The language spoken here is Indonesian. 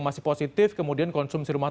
masih positif kemudian konsumsi rumah